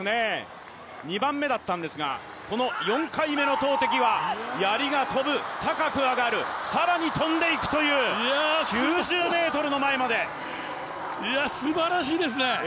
２番目だったんですがこの４回目の投てきはやりが飛ぶ、高く上がる更に飛んでいくというすばらしいですね！